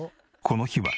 この日は。